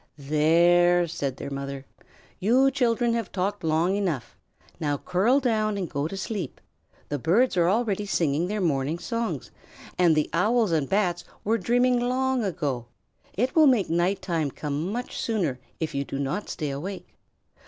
"There!" said their mother. "You children have talked long enough. Now curl down and go to sleep. The birds are already singing their morning songs, and the Owls and Bats were dreaming long ago. It will make night time come much sooner if you do not stay awake."